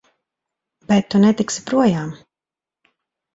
Bet tu netiksi projām!